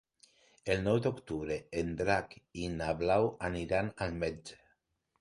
El nou d'octubre en Drac i na Blau aniran al metge.